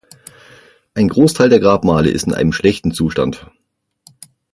Ein Großteil der Grabmale ist in einem schlechten Zustand.